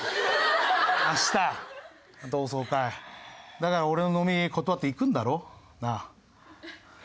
だから俺の飲み断って行くんだろ？なあ？